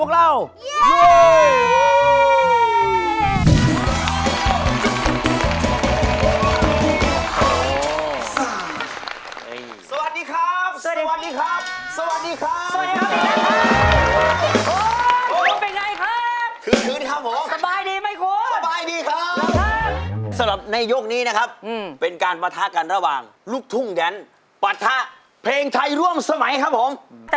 วันนี้มากับใครลูกชาดำ